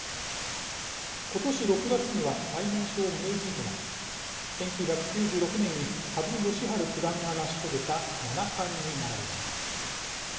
今年６月には最年少名人となり１９９６年に羽生善治九段が成し遂げた七冠に並びました。